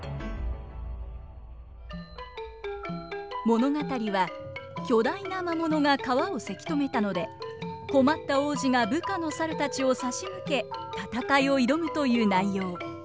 物語は巨大な魔物が川をせき止めたので困った王子が部下の猿たちを差し向け戦いを挑むという内容。